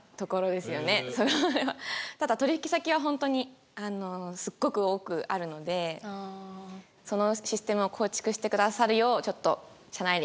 ただ取引先はホントにすごく多くあるのでそのシステムを構築してくださるようちょっと社内で確認してみます。